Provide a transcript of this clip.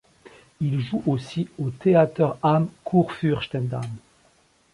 Il joue aussi au Theater am Kurfürstendamm.